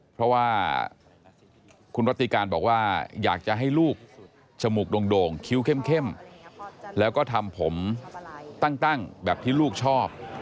เพราะว่าคุณรัติการบอกว่าอยากจะให้ลูกจมูกโด่งคิ้วเข้มแล้วก็ทำผมตั้งแบบที่ลูกชอบ